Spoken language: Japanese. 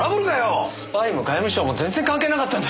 スパイも外務省も全然関係なかったんだ。